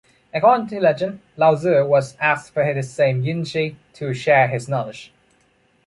According to legend, Laozi was asked by this same Yin Xi to share his knowledge.